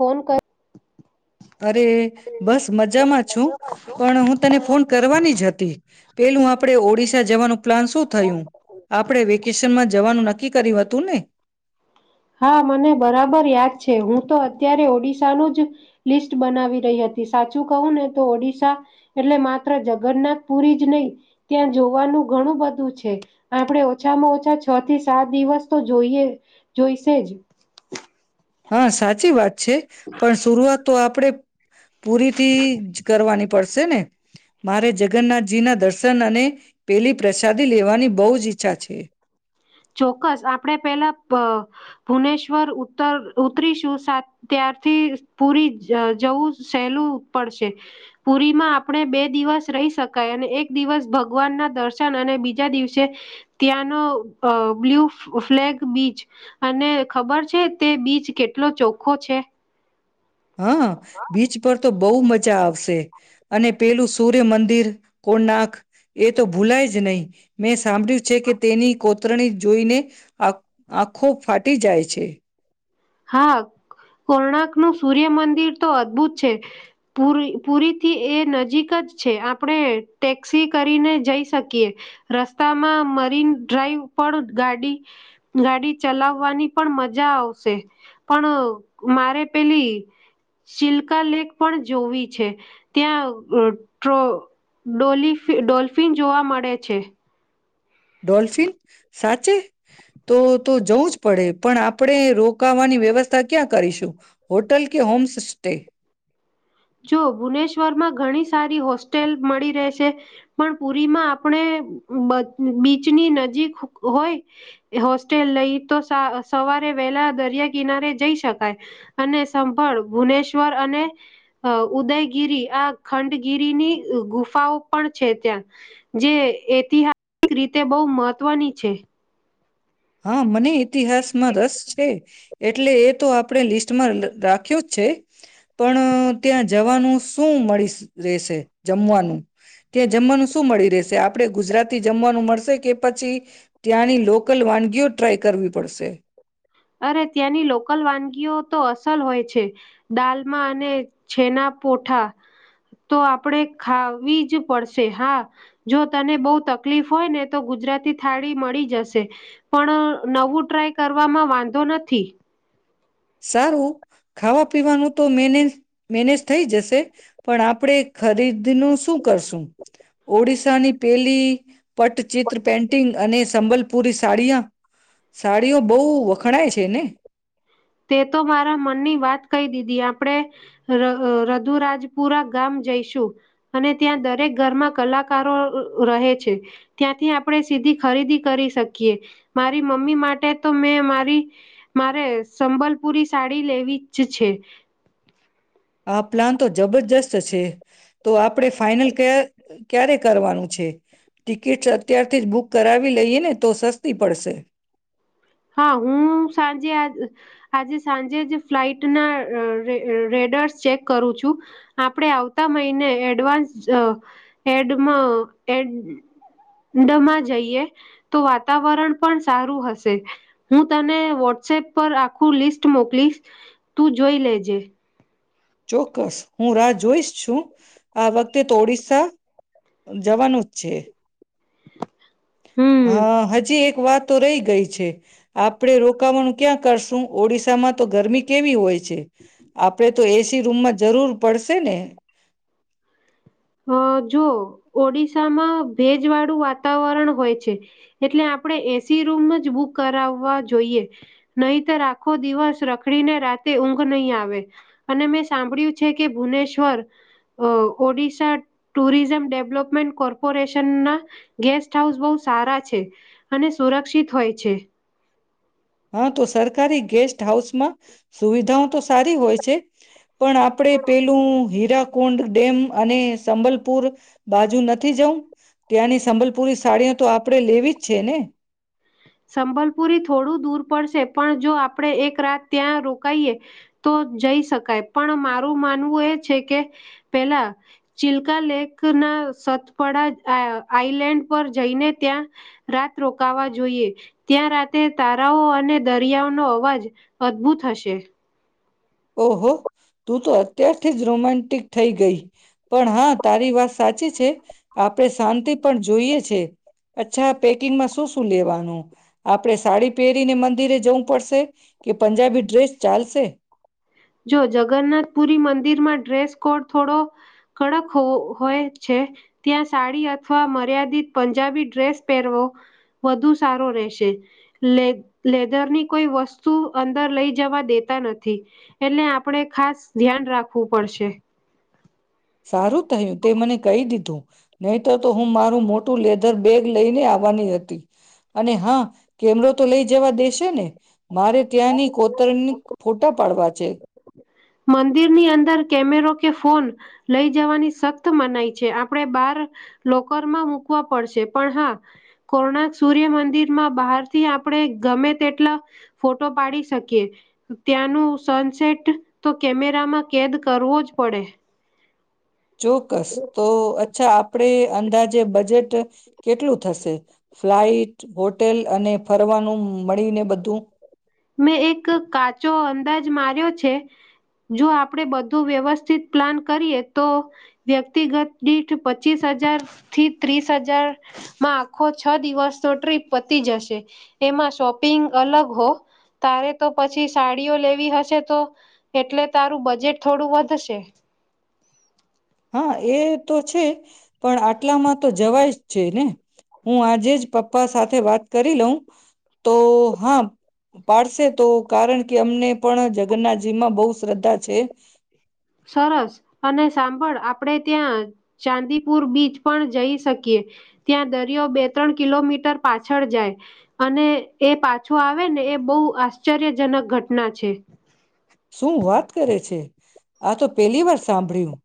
Phone કર. અરે, બસ મજામાં છું પણ હું તને ફોન કરવાની જ હતી, પેલું આપણે ઓડિશા જવાનું પ્લાન શું થયું? આપણેે વેકેશનમાં જવાનું નક્કી કર્યું હતું ને? હા મને બરાબર યાદ છે હું તો અત્યારે ઓડિશા નું જ. લિસ્ટ બનાવી રહી હતી સાચું કહું ને તો ઓડિશા, એટલે માત્ર જગન્નાથ પુરી જ નહી ત્યાં જોવાનું ઘણું બધું છે, આપણે ઓછામાં ઓછા છ થી સાત દિવસ તો જોઈએ. જોઈશે જ. હા સાચી વાત છે. પણ શરૂઆત તો આપણે પૂરીથી જ કરવાની. પડશે ને, મારે જગન્નાથજી ના દર્શન અને, પેલી પ્રસાદી લેવાની બહુ જ ઈચ્છા છે. ચોક્કસ આપણે પેલા, ભુનેશ્વર ઉતર ઉતરીશું ત્યારથી પુરી જવું સહેલું પડશે, પુરીમાં આપણે બે દિવસ રહી શકાય અને એક દિવસ ભગવાન ના દર્શન અને બીજા દિવસે, ત્યાંનો અ બ્લુ ફ્લેગ બીચ, અને ખબર છે તે બીચ કેટલો ચોખ્ખો છે. હા, બીચ પર તો બહુ મજા આવશે, અને પેલું સૂર્ય મંદિર. કોનાક, એક તો ભૂલાય જ નહીં, મેં સાંભળ્યું છે કે તેની કોતરણી જોઈને, આંખો ફાટી જાય છે. હા, કોણક નું સૂર્યમંદિર તો અદ્ભુત છે, પુરી પુરીથી એ નજીક જ છે આપણે ટેક્સી કરીને જઈ શકીએ, રસ્તામાં મરીન ડ્રાઈવ પણ ગાડી, ગાડી ચલાવવાની પણ મજા આવશે. પણ મારે પેલી, ચિલ્કા લેક પણ જોવી છે, ત્યાં ડોલી ડોલ્ફિન જોવા મળે છે. ડોલ્સિન, સાત ચે, તો તો જવું જ પડે પણ આપણે રોકાવાની વ્યવસ્થા ક્યાં કરીશું, હોટલ કે હોમ સ્ટે? જો ભુવનેશ્વર માં ઘણી સારી હોસ્ટેલ મળી રહેશે, પણ પુરીમાં આપણે બીચની નજીક હોય, હોસ્ટેલ લઈ તો સવારે વહેલા દરિયા કિનારે જઈ શકાય, અને સંભળ ભુવનેશ્વર અને. અ ઉદયગીરી આ ખંડગીરીની ગુફાઓ પણ છે ત્યાં, જે ઐતિહાસિક રીતે બહુ મહત્વની છે. હા મને ઇતિહાસ માં રસ છે. એટલે એ તો આપણે લિસ્ટમાં રાખ્યું જ છે, પણ ત્યાં જવાનું શું મળી રહેશે જમવાનું ત્યાં જમવાનું શું મળી રહેશે આપણે ગુજરાતી જમવાનું મળશે કે પછી, ત્યાંની લોકલ વાની ગયો ટ્રાય કરવી પડશે? અરે ત્યાંની લોકલ વાનગીઓ તો અસલ હોય છે, દાલમાં અને છેના પોઠા, તો આપણેે ખાવી જ પડશે, હા જો તને બહુ તકલીફ હોય ને તો ગુજરાતી થાળી મળી જશે, પણ નવું ટ્રાય કરવામાં વાન નથી. સારું, ખાવા પીવાનું તો મેને મેનેજ થઈ જશે, પણ આપણે ખરીદનું શું કરશું, ઓડિશાની પેલી પટચિત્ર પેન્ટિંગ અને સંબલપુરી સાડીયા, સાડીઓ બહુ વખણાય છે ને? તે તો મારા મનની વાત કહી દીધી આપ આપણે, રધુરાજપુરા ગામ જઈશું, અને ત્યાં દરેક ઘરમાં કલાકારો રહે છે, ત્યાંથી આપણે સીધી ખરીદી કરી શકીએ, મારી મમ્મી માટે તો મેં મારી, મારે સંબલપુરી સાડી લેવી જ છે. આ પ્લાન તો જબરજસ્ત છે, તો આપણે ફાઈનલ ક્યારે કરવાનું છે, ટિકિટસ અત્યારથી જ બુક કરાવી લઈએ ને તો સસ્તી પડશે. હા હું સાંજે આ આજે સાંજે જ ફ્લાઇટના રેડર્સ ચેક કરું છું, આપણે આવતા મહિને એડવાન્સ, એડમાં એડમાં જઈએ, તો વાતાવરણ પણ સારું હશે. હું તને વોટ્સએપ પર આખું લિસ્ટ મોકલીશ, તું જોઈ લેજે. ચોક્કસ હું રાહ જોઈશ છું, આ વખતે તો ઓડિસ્સા, જવાનું જ છે. હમ હા હજી એક વાત. તો રહી ગઈ છે, આપણે રોકાવાનું ક્યાં કરશું ઓડિશામાં તો ગરમી કેવી હોય છે, આપણે તો એસી રૂમમાં જરૂર પડશે ને? અ જો ઓડિશામાં ભેજ વાળું વાતાવરણ હોય છે, એટલે આપણે એસી રૂમ જ બુક કરાવવા જોઈએ, નહીતર આખો દિવસ રખડીને રાતે ઊંઘ નહીં આવે, અને મેં સાંભળ્યું છે કે ભુવનેશ્વર, ઓડિ ટુરિઝમ ડેવલપમેન્ટ કોર્પોરેશનના, ગેસ્ટ હાઉસ બહુ સારા છે, અને સુરક્ષિત હોય છે. હા તો સરકારી ગેસ્ટ હાઉસમાં, સુવિધાઓ તો સારી હોય છે, પણ આપણે પેલું હીરાકુંડ ડેમ અને સંબલપુર, બાજુ નથી જઉં ત્યાંની સંબલપુરી સાડીઓ તો આપણે લેવી જ છે ને? સંભલપુરી થોડું દૂર પડશે પણ જો આપણે એક રાત ત્યાં રોકાઈએ, તો જઈ શકાય પણ મારું માનવું એ છે કે, પેલા, ચલકા લેક ના સતપડા આઈલેન્ડ પર જઈને ત્યાં, રાત રોકાવા જોઈએ. ત્યાં રાતે તારાઓ અને દરિયાઓનો અવાજ અદભુત હશે. ઓહો, તું તો અત્યારથી જ રોમેન્ટિક થઈ ગઈ, પણ હા તારી વાત સાચી છે, આપણે શાંતિ પણ જોઈએ છે, અચ્છા પેકિંગમાં શું શું લેવાનું આપણે સાડી પહેરીને મંદિરે જવું પડશે, કે પંજાબી ડ્રેસ ચાલશે? જો જગન્નાથપુરી મંદિરમાં ડ્રેસ કોડ થોડો, કડક હોય છે ત્યાં સાડી અથવા મર્યાદિત પંજાબી ડ્રેસ પહેરવો, વધુ સારો રહેશે, લ લેધરની કોઈ વસ્તુ અંદર લઈ જવા દેતા નથી. એટલે આપણે ખાસ ધ્યાન રાખવું પડશે. સારું થયું તે મને કહી દીધું નહી, તો તો હું મારું મોટું લેધર બેગ લઈને આવવાની હતી, અને હા કેમરો તો લઈ જવા દેશે ને? મારે ત્યાંની કોતર ફોટા પાડવા છે. છેે. મંદિરની અંદર કેમેરો કે ફોન, લઈ જવાની સખ્ત મનાય છે આપણે બાર, લોકરમાં મૂકવા પડશે પણ હા, કોણાક સૂર્ય મંદિરમાં બહારથી આપણે ગમે તેટલા, ફોટો પાડી શકીએ, ત્યાંનું સનસેટ તો કેમેરામાં કેદ કરવો જ પડે. ચોક્કસ, તો અચ્છા આપ આપડે અંદાજે બજેટ, કેટલું થશે, ફ્લાઈટ હોટેલ અને ફરવાનું મળીને બધું? મેં એક કાચો અંદાજ માર્યો છે, જો આપડ બધું વ્યવસ્થિત પ્લાન કરીએ તો, વ્યક્તિગત દીઠ પચીસ હજાર થી ત્રીસ હજારમાં, આખો છ દિવસ તો ટ્રીપ પતી જશે, એમાં શોપિંગ અલગ હો. તારે તો પછી સાડીઓ લેવી હશે તો, એટલે તારું બજેટ થોડું વધશે. હા એ તો છે, પણ આટલામાં તો જવાય જ છે ને. હું આજે જ પપ્પ પપ્પા સાથે વાત કરી લઉં, તો હા પાડશે તો કારણ કે અમને પણ જગન્નાથજી માં બોવ શ્રદ્ધા છે. સરસ અને સાંભળ આપડે ત્યાં ચાંદીપુર બીચ પણ જઈ શકીએ, ત્યાં દરિયો બે ત્રણ કિલોમીટર પાછળ જાય અને એ પાછો આવે ને એ બો આશ્ચર્યજનક ઘટના છે. શું વાત કરે છે, આતો પેલી વાર સાંભળ્યું,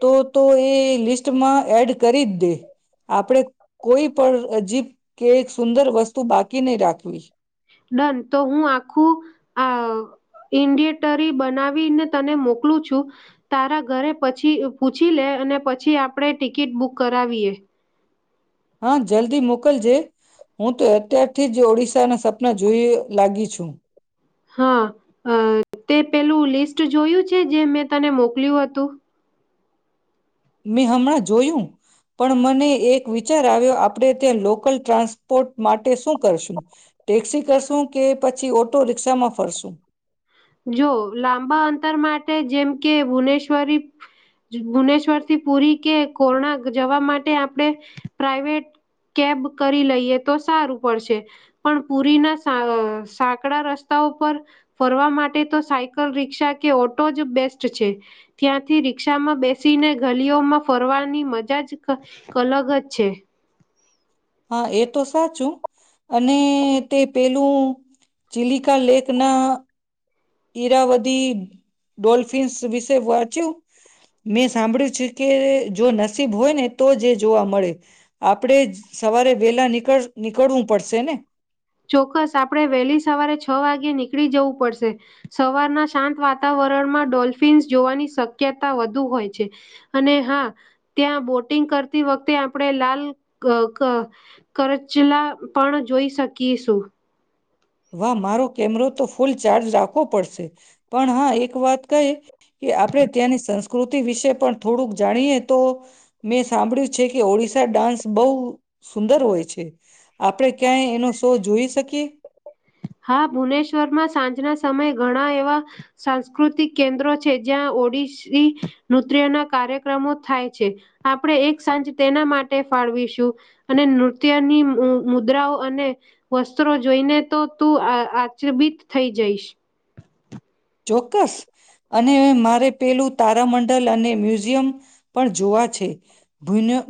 તો તો એ લિસ્ટમાં એડ કરીજ દે. આપડે કોઈ પણ અજીબ કે સુંદર વસ્તુ બાકી નઈ રાખવી. ડન, તો હું આખું આ ઇન્ડિટરી બનાવીને તને મોકલું છું, તારા ઘરે પછી પૂછી લે અને પછી આપડે ટિકિટ બુક કરાવીએ. હા, જલ્દી મોકલજે. હું તો અત્યારથી જ ઓડિશાના સપના જોઈ લાગી છું. હા, અહ તે પેલું લિસ્ટ જોયું છે, જે મેં તને મોકલ્યું હતું? મેં હમણાં જોયું, પણ મને એક વિચાર આવ્યો આપણે ત્યાં લોકલ ટ્રાન્સપોર્ટ માટે શું કરશું, ટેક્સી કરશું કે પછી ઓટો રિક્ષામાં ફરશું? જો લાંબા અંતર માટે જેમ કે ભુનેશ્વરી ભુનેશ્વરથી પુરી કે કોર્ણા જવા માટે આપડે પ્રઇવેટ કેબ કરી લઈએ તો સારું પડશે, પણ પુરીના સાંકડા રસ્તાઓ પર ફરવા માટે તો સાયકલ રિક્ષા કે ઓટોજ બેસ્ટ છે. ત્યાંથી રિક્ષામાં બેસીને ગલીઓમાં ફરવાની મજા જ અલગજ છે. હા, એતો સાચું અને તે પેલું ચિલિકા લેકના ઈરાવદી ડોલ્ફિન્સ વિશે વાંચ્યું? મેં સાંભળ્યું છે કે જો નસીબ હોય ને તોજ એ જોવા મળે. આપડે સવારે વેલા નીકળ નીકળવું પડશે ને? ચોક્કસ આપડે વહેલી સવારે છ વાગે નીકળી જવું પડશે. સવારના શાંત વાતાવરણમાં ડોલ્ફિન્સ જોવાની શક્યતા વધુ હોય છે અને હા, ત્યાં બોટિંગ કરતી વખતે આપડે લાલ ક ક કરચલા પણ જોઈ શક કીસું. વાહ, મારો કેમરો તો ફૂલ ચાર્જ રાખવો પડશે, પણ હા, એક વાત કઈ કે આપડે ત્યાંની સંસ્ સં કૃતિ વિશે પણ થોડુંક જાણીએ, તો મેં સાંભળ્યું છે કે ઓડિશા ડાન્સ બોવ સુંદર હોય છે. આપડે ક્યાંય એનો શો જોઈ શકીએ? હા, ભુવનેશ્વરમાં સાંજના સમયે ઘણા એવા સાંસ્કૃતિક કેન્દ્રો છે, જ્યાં ઓડિશી નૃત્યના કાર્યક્રમો થાય છે. આપડે એક સાંજ તેના માટે ફાળવીશું અને નૃત્યની મુદ્રાઓ અને વસ્ત્રો જોઈને તો તું આ આચરબિત થઈ જઈશ. ચોક્કસ અને મારે પેલું તારામંડલ અને મ્યુઝિયમ પણ જોવા છે.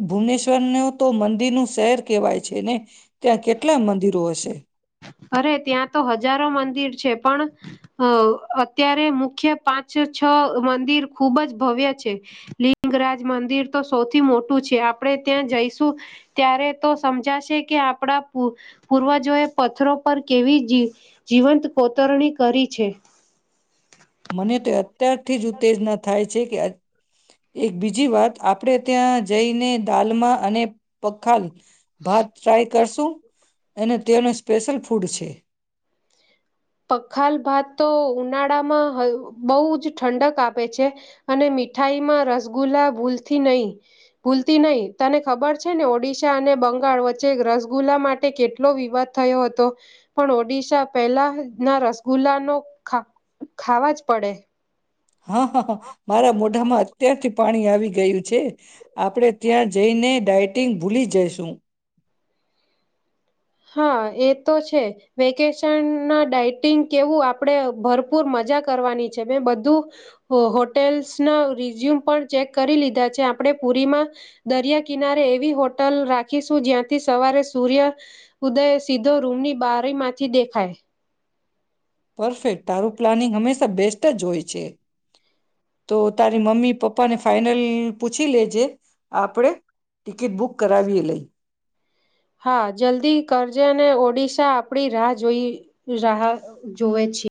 ભુવનેશ્વર ન તો મંદિરનું શહેર કેહેવાય છે ને, ત્યાં કેટલા મંદિરો હશે? અરે ત્યાં તો હજારો મંદિર છે, પણ અહ અત્યારે મુખ્ય પાંચ છ મંદિર ખૂબજ ભવ્ય છે. લિંગરાજ મંદિર તો સૌથી મોટું છે. આપડે ત્યાં જઈશું, ત્યારે તો સમજાશે કે આપડા પૂ પૂર્વજોએ પથરો પર કેવી જીવ જીવંત કોતરણી કરી છે. મને તો અત્યારથી જ ઉત્તેજના થાય છે કે, એક બીજી વાત આપડે ત્યાં જઈને દાલમાં અને પખાલ ભાત ટ્રાય કરશું અને તેનો સ્પેશિલ ફૂડ છે. પખાલ ભાત તો ઉનાળામાં બોવજ ઠંડક આપે છે અને મીઠાઈમાં રસગુલ્લા ભૂલતી નહી, ભૂલતી નહી. તને ખબર છે ને ઓડિશા અને બંગાળ વચ્ચે રસગુલ્લા માટે કેટલો વિવાદ થયો હતો, પણ ઓડિશા પહેલા ના રસગુલ્લાનું ખાવ ખાવાજ પડે. હા હા મારા મોઢામાં અત્યારથી પાણી આવી ગયું છે, આપણે ત્યાં જઈને ડાયટિંગ ભૂલી જઈશું. હા એ તો છે, વેકેશન ના ડઇટિંગ કેવું આપણેે ભરપૂર મજા કરવાની છે મેં બધું, હોટેલ્સ ના રિઝ્યુમ પણ ચેક કરી લીધા છે આપણેે પુરીમાં, દરિયા કિનારે એવી હોટલ રાખીશું જ્યાંથી સવારે સૂર્ય. ઉદયે સીધો રૂમની બારીમાંથી દેખાય. પરફેક્ટ તારું પ્લાનિંગ હંમેશા બેસ્ટ જ હોય છે, તો તારી મમ્મી પપ્પાને ફાઈનલ પૂછી લેજે, આપણેે ટિકિટ બુક કરાવીએ લઈ. હા જલ્દી કરજે અને ઓડિશા આપડી રાહ જોઈ રાહ જોવે છે.